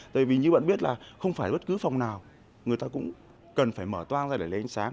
tại vì như bạn biết là không phải bất cứ phòng nào người ta cũng cần phải mở toan ra để lấy ánh sáng